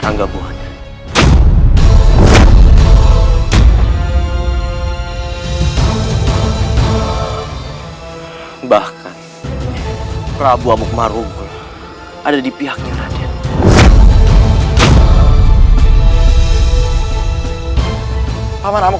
rai aku sangat rindu